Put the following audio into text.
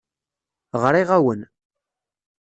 Ɣriɣ-awen.